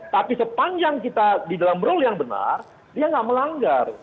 tapi sepanjang kita di dalam rule yang benar dia nggak melanggar